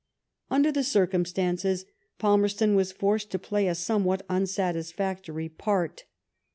Under the circumstances, Palmerston was forced to play a somewhat unsatisfactory part.